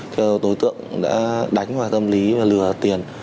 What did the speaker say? thì đối tượng đã đánh vào tâm lý và lừa tiền